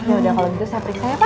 yaudah kalau gitu saya periksa ya pak